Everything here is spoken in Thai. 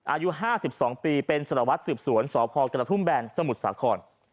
อายุ๕๒ปีเป็นสารวัตรสืบสวนสพกระทุ่มแบนสมุทรสาคร